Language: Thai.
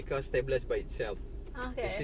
จากไทยเล็นด์มีเดีย